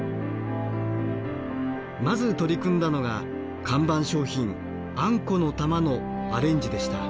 まず取り組んだのが看板商品あんこの玉のアレンジでした。